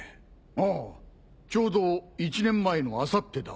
ああちょうど１年前の明後日だ。